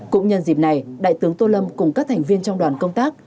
cũng nhân dịp này đại tướng tô lâm cùng các thành viên trong đoàn công tác